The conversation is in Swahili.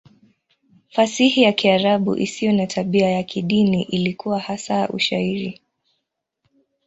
Fasihi ya Kiarabu isiyo na tabia ya kidini ilikuwa hasa Ushairi.